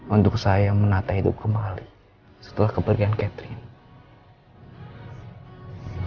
untuk saya menata hidup kembali setelah keberian catherine